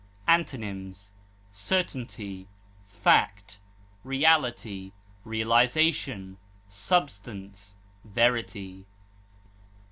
Antonyms: certainty, fact, reality, realization, substance, verity.